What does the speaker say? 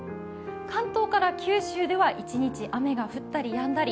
関東から九州では一日雨が降ったりやんだり。